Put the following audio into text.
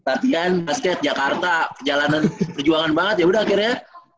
latihan basket jakarta jalanan perjuangan banget ya udah akhirnya